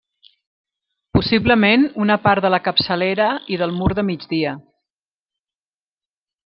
Possiblement una part de la capçalera i del mur de migdia.